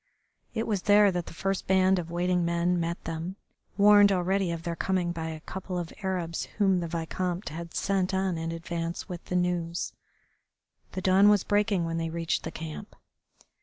It was there that the first band of waiting men met them, warned already of their coming by a couple of Arabs whom the Vicomte had sent on in advance with the news. The dawn was breaking when they reached the camp.